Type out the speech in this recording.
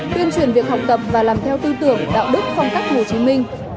tuyên truyền việc học tập và làm theo tư tưởng đạo đức phong cách hồ chí minh